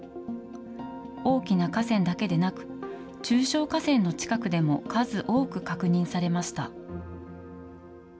大きな河川だけでなく、中小河川の近くでも数多く確認されました。